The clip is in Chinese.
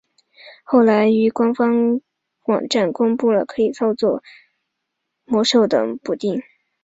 后来于官方网站公布了可以操作魔兽等补丁。